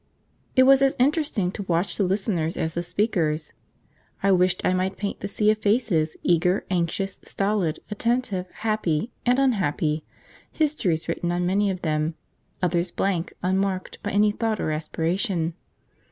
It was as interesting to watch the listeners as the speakers. I wished I might paint the sea of faces, eager, anxious, stolid, attentive, happy, and unhappy: histories written on many of them; others blank, unmarked by any thought or aspiration.